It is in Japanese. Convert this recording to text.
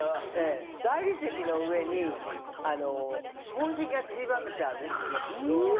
大理石の上に宝石がちりばめてある象眼。